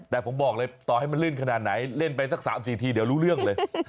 แต่ผมบอกเลยต่อให้มันลื่นขนาดไหนเล่นไปสัก๓๔ทีเดี๋ยวรู้เรื่องเลย